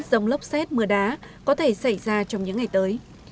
rông lốc xét mưa đá có thể xảy ra trong những ngày tới